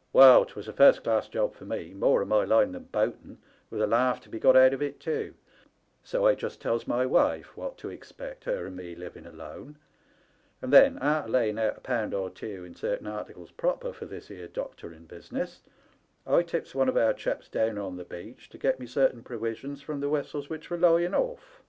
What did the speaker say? " Well, 'twas a first class job for me, more'n my line than boating, with a laugh to be got out of it tew, so I just tells my wife what to expect, her and me living alone; and then, arter laying out a pound or tew in certain articles proper for this here doctoring business, I tips one of our chaps down on the beach to get me certain prowisions from the wessels which were lying oflf.